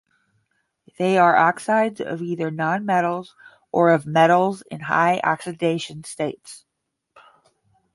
They are oxides of either nonmetals or of metals in high oxidation states.